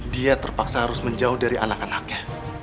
dia terpaksa harus menjauh dari anak anaknya